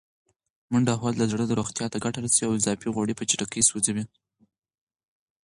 منډه وهل د زړه روغتیا ته ګټه رسوي او اضافي غوړي په چټکۍ سوځوي.